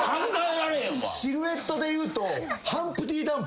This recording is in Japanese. シルエットでいうと。